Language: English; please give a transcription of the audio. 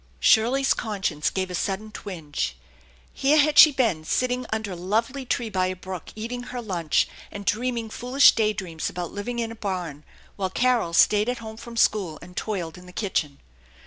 Shirley's conscience gave a sudden twinge. Here had she been sitting under a lovely tree by a brook, eating her lunch and dreaming foolish day dreams about living in a barn, while Carol stayed at home from school and toiled in the kitchen!